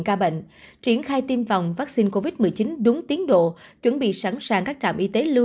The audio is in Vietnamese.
ca bệnh triển khai tiêm phòng vaccine covid một mươi chín đúng tiến độ chuẩn bị sẵn sàng các trạm y tế lưu